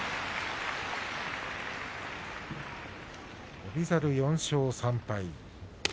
翔猿４勝３敗。